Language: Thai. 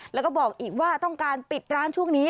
แล้วก็บอกอีกว่าต้องการปิดร้านช่วงนี้